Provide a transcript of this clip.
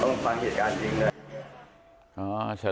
ฟังเหตุการณ์จริงด้วย